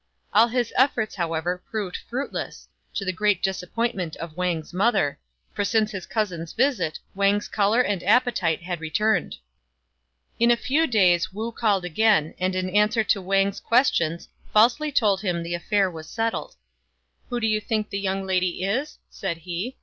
All his efforts, however, proved fruitless, to the great disappointment of Wang's mother; for since his cousin's visit Wang's colour and appetite had returned. In a few days Wu called again, and in answer to Wang's questions falsely told him that the affair was settled. " Who do you think the young lady is ?" said he.